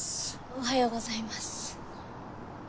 おはようございます。